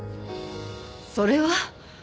それは。